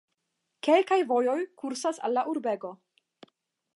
Kelkaj vojoj kuras al la urbego.